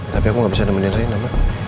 tapi aku gak bisa nemenin rena emak